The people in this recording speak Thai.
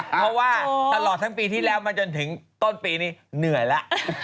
เพราะว่าตลอดทั้งปีที่แล้วมาจนถึงต้นปีนี้เหนื่อยแล้ว